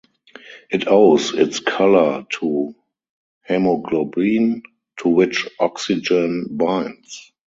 It owes its color to hemoglobin, to which oxygen binds.